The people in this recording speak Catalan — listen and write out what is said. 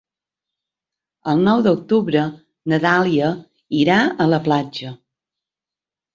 El nou d'octubre na Dàlia irà a la platja.